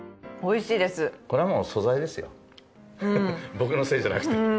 僕のせいじゃなくて。